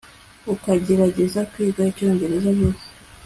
ukagererageza kwiga icyongereza vuba